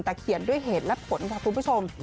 แต่เขียนด้วยเหตุและผลค่ะคุณผู้ชม